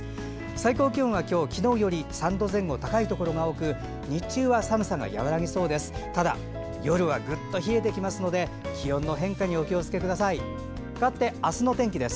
最高気温は今日、昨日より３度前後高いところが多く日中は寒さが和らぎそうです。